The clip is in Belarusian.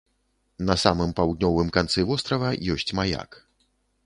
На самым паўднёвым канцы вострава ёсць маяк.